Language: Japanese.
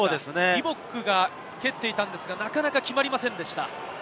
リボックが蹴っていたのですが、なかなか決まりませんでした。